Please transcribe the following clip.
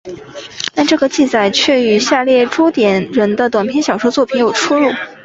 但这个记载却与下列朱点人的短篇小说作品有出入。